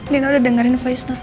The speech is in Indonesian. dina udah dengerin faiz nanti